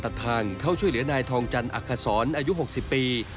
ตัดทางเข้าช่วยเหลือนายทองจันทร์อักษรอายุ๖๐ปี